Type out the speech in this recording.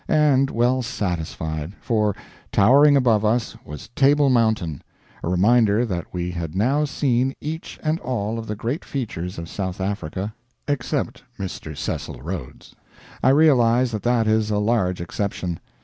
And well satisfied; for, towering above us was Table Mountain a reminder that we had now seen each and all of the great features of South Africa except Mr. Cecil Rhodes. I realize that that is a large exception.